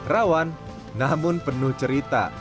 rawan namun penuh cerita